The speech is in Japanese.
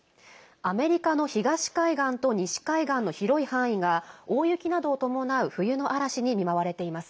アメリカの東海岸と西海岸の広い範囲が大雪などを伴う冬の嵐に見舞われています。